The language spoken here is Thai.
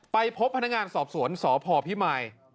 ไปพบพนักงานสอบสวนสพพิมาย